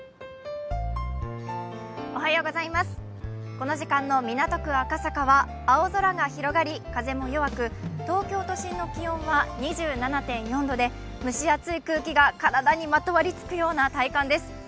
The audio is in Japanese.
この時間の港区赤坂は青空が広がり風も弱く東京都心の気温は２７．４度で蒸し暑い空気が体にまとわりつくような体感です。